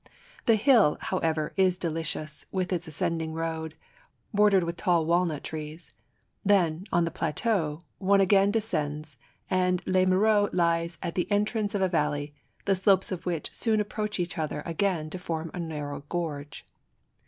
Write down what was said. The hill, how ever, is delicious, with its ascending road, bordered with tall walnut trees. Then, on the plateau, one again de scends, and Les Mureaux lies at the entrance of a val ley, the slopes of which soon approach each other again IN THE VOLUBILIS BOWER. 51 and form a narrow gorge.